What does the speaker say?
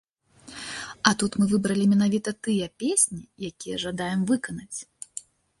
А тут мы выбралі менавіта тыя песні, якія жадаем выканаць.